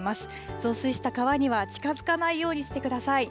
増水した川には近づかないようにしてください。